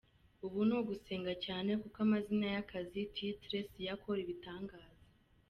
Ubu ni ugusenga cyane kuko amazina y’akazi ‘titre’ siyo akora ibitangaza.